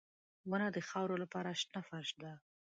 • ونه د خاورو لپاره شنه فرش دی.